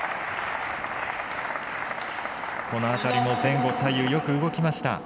この辺りも前後左右よく動きました。